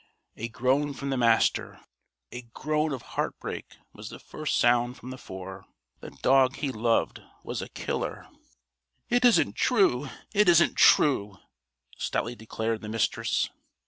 A groan from the Master a groan of heartbreak was the first sound from the four. The dog he loved was a killer. "It isn't true! It isn't true!" stoutly declared the Mistress.